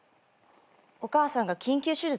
お母さんが緊急手術。